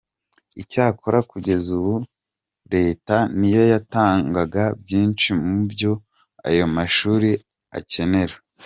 Icyakora kugeza ubu Leta niyo yatangaga byinshi mubyo ayo mashuri akenera.